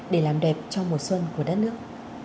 để làm đẹp cho mùa xuân của đất nước